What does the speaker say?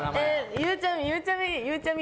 ゆうちゃみ